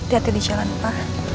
hati hati di jalan pa